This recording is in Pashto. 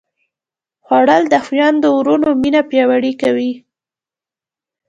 خوړل د خویندو وروڼو مینه پیاوړې کوي